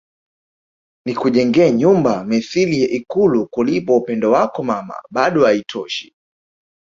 Nikujengee nyumba mithili ya ikulu kulipa upendo wako Mama bado aitoshi